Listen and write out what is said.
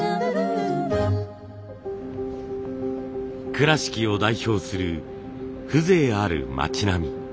倉敷を代表する風情ある町並み。